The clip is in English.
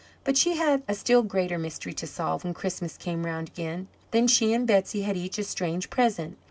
But she had a still greater mystery to solve when Christmas came round again. Then she and Betsey had each a strange present.